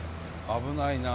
危ないな。